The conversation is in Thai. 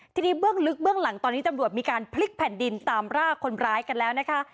ทีนี้เบื้องลึกเบื้องหลังตอนนี้ตำรวจมีการพลิกแผ่นดินตามรากคนร้ายกันแล้วนะคะ